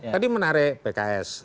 tadi menarik bks